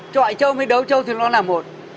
chọi trâu mới đấu châu thì nó là một